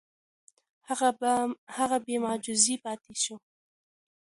هغه بې معجزې پاتې شوه.